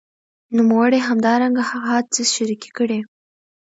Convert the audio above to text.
نوموړي همدرانګه هغه هڅي شریکي کړې